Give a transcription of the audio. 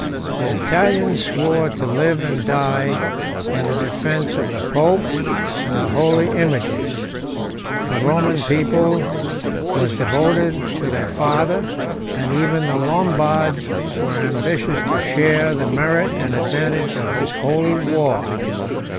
The Italians swore to live and die in the defence of the pope and the holy images; the Roman people was devoted to their father, and even the Lombards were ambitious to share the merit and advantage of this holy war.